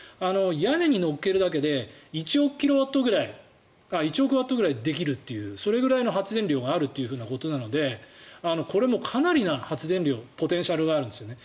屋根に載っけるだけで１億ワットぐらいできるそれぐらいの発電量があるということなのでこれもかなりな発電量ポテンシャルがあるんですね。